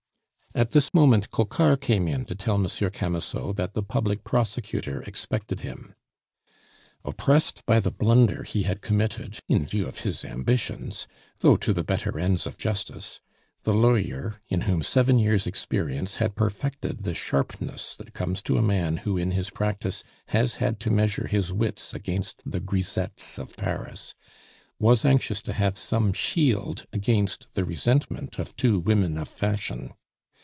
At this moment Coquart came in to tell Monsieur Camusot that the public prosecutor expected him. Oppressed by the blunder he had committed, in view of his ambitions, though to the better ends of justice, the lawyer, in whom seven years' experience had perfected the sharpness that comes to a man who in his practice has had to measure his wits against the grisettes of Paris, was anxious to have some shield against the resentment of two women of fashion.